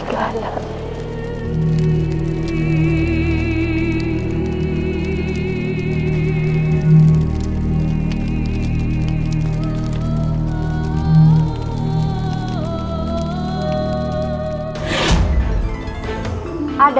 hai silwiwangi telah mati